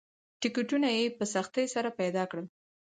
ټکټونه یې په سختۍ سره پیدا کېدل.